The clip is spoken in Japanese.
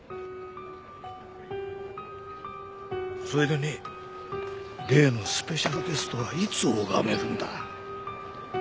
それでね例のスペシャルゲストはいつ拝めるんだ？